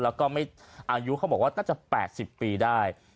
แล้วก็อายุเขาบอกว่าน่าจะ๘๐ปีได้